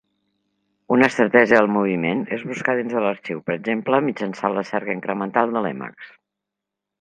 Una estratègia del moviment és buscar dins de l'arxiu, per exemple mitjançant la cerca incremental de l'Emacs.